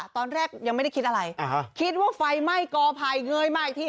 ตอนแรกยังไม่ได้คิดอะไรคิดว่าไฟไหม้กอภัยเงยมาอีกที